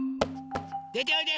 でておいで！